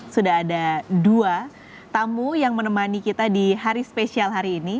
sudah ada dua tamu yang menemani kita di hari spesial hari ini